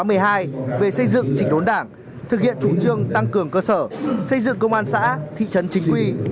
về xây dựng chỉnh đốn đảng thực hiện chủ trương tăng cường cơ sở xây dựng công an xã thị trấn chính quy